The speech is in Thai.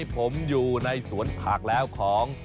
ผมอยู่ในสวนผักแล้วของ